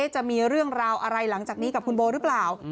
จะมีเรื่องราวอะไรหลังจากนี้กับคุณโบหรือเปล่า